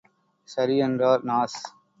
சரி என்றார் நாஸ்.